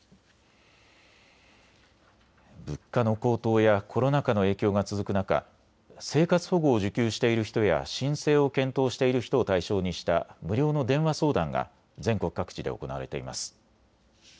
物価の高騰やコロナ禍の影響が続く中、生活保護を受給している人や申請を検討している人を対象にした無料の電話相談が全国各地で行われています。